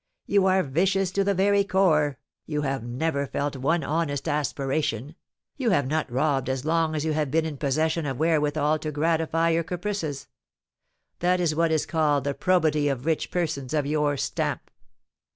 You are vicious to the very core, you have never felt one honest aspiration, you have not robbed as long as you have been in possession of wherewithal to gratify your caprices, that is what is called the probity of rich persons of your stamp.